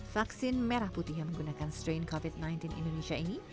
vaksin merah putih yang menggunakan strain covid sembilan belas indonesia ini